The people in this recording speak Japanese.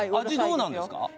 味どうなんですか？